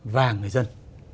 và người dân